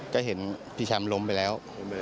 ก็เห็นพี่ชำล้มไปแล้ว